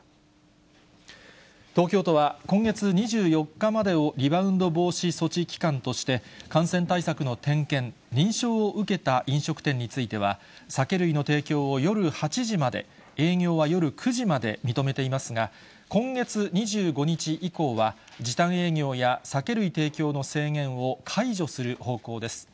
東京都は、今月２４日までをリバウンド防止措置期間として、感染対策の点検、認証を受けた飲食店については、酒類の提供を夜８時まで、営業は夜９時まで認めていますが、今月２５日以降は、時短営業や酒類提供の制限を解除する方向です。